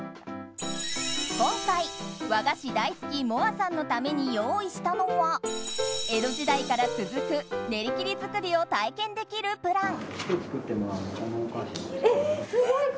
今回、和菓子大好きもあさんのために用意したのは江戸時代から続く練り切り作りを体験できるプラン。